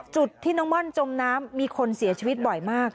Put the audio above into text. จุดที่น้องม่อนจมน้ำมีคนเสียชีวิตบ่อยมาก